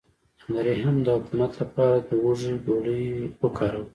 د رحم د عفونت لپاره د هوږې ګولۍ وکاروئ